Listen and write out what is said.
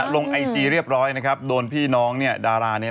ลงไอจีเรียบร้อยนะครับโดนพี่น้องเนี่ยดาราเนี่ย